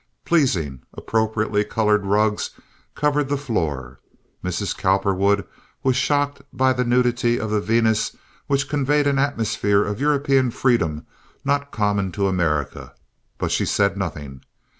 Pleasing, appropriately colored rugs covered the floor. Mrs. Cowperwood was shocked by the nudity of the Venus which conveyed an atmosphere of European freedom not common to America; but she said nothing.